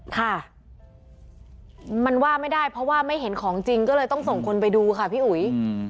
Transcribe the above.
ค่ะมันว่าไม่ได้เพราะว่าไม่เห็นของจริงก็เลยต้องส่งคนไปดูค่ะพี่อุ๋ย